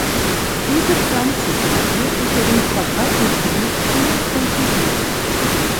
Diese Pflanzenart wird in ihrem Verbreitungsgebiet viel kultiviert.